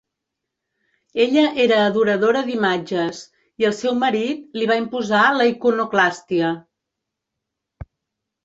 Ella era adoradora d'imatges i el seu marit li va imposar la iconoclàstia.